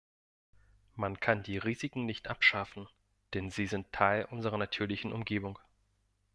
Man kann die Risiken nicht abschaffen, denn sie sind Teil unserer natürlichen Umgebung.